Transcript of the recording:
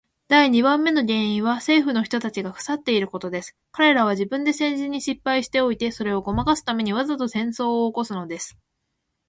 第二番目の原因は政府の人たちが腐っていることです。彼等は自分で政治に失敗しておいて、それをごまかすために、わざと戦争を起すのです。